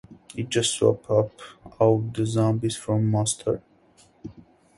It just swaps out the zombies for monsters.